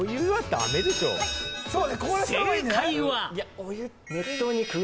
正解は。